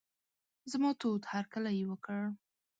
زما تود هرکلی یې وکړ.